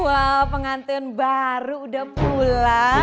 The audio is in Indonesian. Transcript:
wow pengantin baru udah pulang